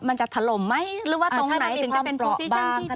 มันจะถล่มไหมหรือว่าตรงไหนถึงจะเป็นโปรซีชั่นที่๒